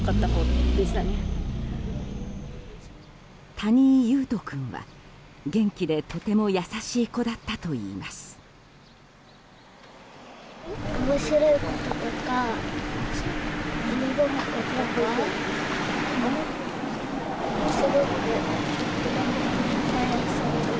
谷井勇斗君は、元気でとても優しい子だったといいます。